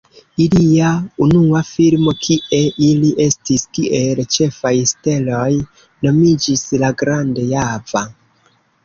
Ilia unua filmo, kie ili estis kiel ĉefaj steloj, nomiĝis "La Grande Java".